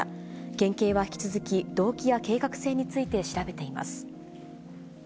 県警は引き続き、動機や計画性について調べています。